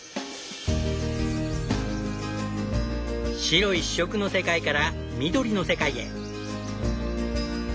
白一色の世界から緑の世界へ。